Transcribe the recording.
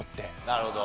なるほど。